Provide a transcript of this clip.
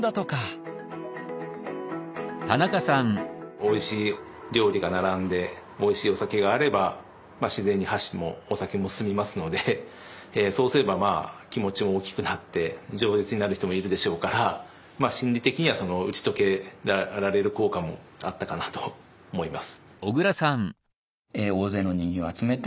おいしい料理が並んでおいしいお酒があれば自然に箸もお酒も進みますのでそうすれば気持ちも大きくなってじょう舌になる人もいるでしょうから心理的には打ち解けられる効果もあったかなと思います。